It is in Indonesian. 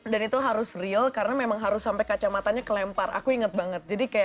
dan itu harus real karena emang geneva sampai kacamatanya kelempar aku inget banget